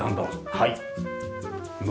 はい。